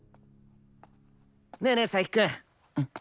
ねえねえ佐伯くん！